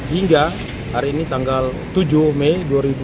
hingga hari ini tanggal tujuh mei dua ribu dua puluh